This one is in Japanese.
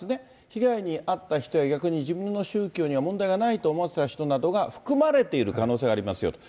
被害に遭った人や、逆に自分の宗教には問題がないと思わせたい人などが含まれている可能性がありますよと。